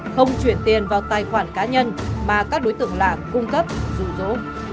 không chuyển tiền vào tài khoản cá nhân mà các đối tượng lạ cung cấp rủ rỗ